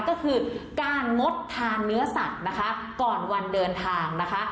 ก็คือการงดทานเนื้อสัตว์นะคะก่อนวันเดินทางนะคะ